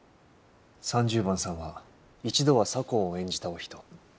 ３０番さんは一度は左近を演じたお人。